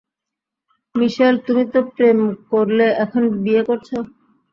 মিশেল, তুমি তো প্রেম করলে এখন বিয়ে করছো।